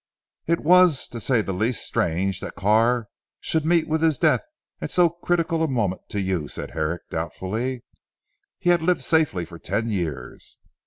"It was, to say the least, strange that Carr should meet with his death at so critical a moment to you," said Herrick doubtfully, "he had lived safely for ten years."